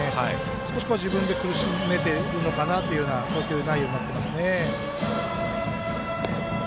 少し自分で苦しめてるのかなという投球内容になっていますね。